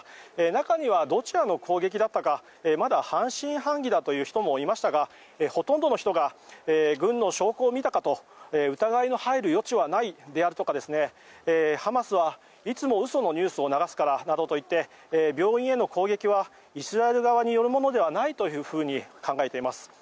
中には、どちらの攻撃だったかまだ半信半疑だという人もいましたがほとんどの人が軍の証拠を見たかと疑いの入る余地はないであるとかハマスはいつも嘘のニュースを流すからなどといって病院への攻撃はイスラエル側によるものではないと考えています。